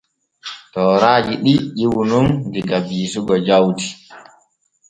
Tooraaji ɗi ƴiwu nun diga biisugo jawdi.